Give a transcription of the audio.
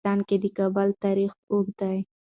په افغانستان کې د کابل تاریخ اوږد دی.